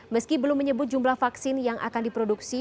meski belum menyebut jumlah vaksin yang akan diproduksi